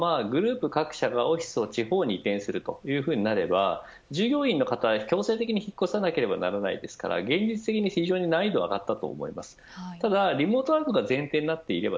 出社すること前提のままグループ各社がオフィスを地方に移転するとなれば従業員の方は強制的に引っ越さなければならないので現実的に難易度が上がったと思います。